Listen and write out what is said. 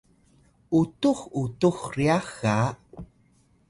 utux utux ryax ga